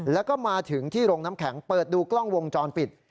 แล้วก็มาถึงที่โรงน้ำแข็งเปิดดูกล้องวงจรปิด